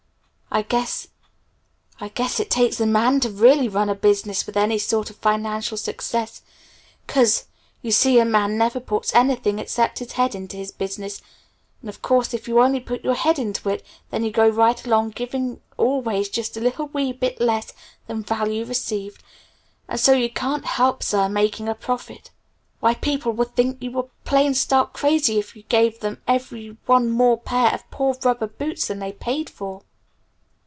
"I guess I guess it takes a man to really run a business with any sort of financial success, 'cause you see a man never puts anything except his head into his business. And of course if you only put your head into it, then you go right along giving always just a little wee bit less than 'value received' and so you can't help, sir, making a profit. Why people would think you were plain, stark crazy if you gave them even one more pair of poor rubber boots than they'd paid for.